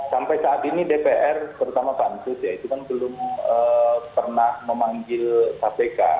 sampai saat ini dpr terutama pansus ya itu kan belum pernah memanggil kpk